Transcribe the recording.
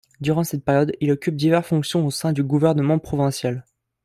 Durant cette période, il occupe divers fonctions au sein du gouvernement provincial.